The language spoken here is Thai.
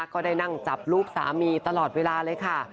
ก็ได้นั่งจับรูปสามีตลอดเวลาเลยค่ะ